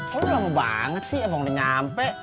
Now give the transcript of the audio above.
kok lo lama banget sih abang udah nyampe